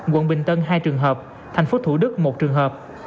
quận bình tân hai trường hợp thành phố thủ đức một trường hợp